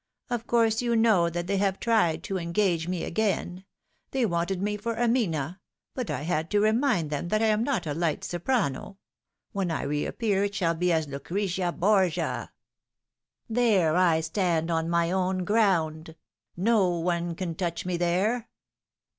Of course you know that they have tried to engage me again. They wanted me for Amina, but I had to remind them that I am not a light soprano. When I reappear it shall be as Lucrezia Borgia. There I stand on my own ground. No one can touch me there."